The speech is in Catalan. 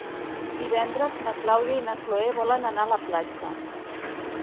Divendres na Clàudia i na Cloè volen anar a la platja.